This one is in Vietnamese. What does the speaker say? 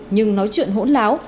nhưng nói chuyện hỗn láo